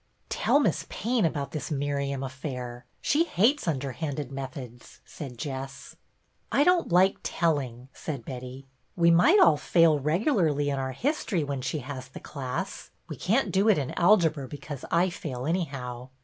" Tell Miss Payne about this Miriam affair. She hates underhanded methods," said Jess. "I don't like telling," said Betty. "We might all fail regularly in our history when she has the class. We can't do it in algebra because I fail, anyhow.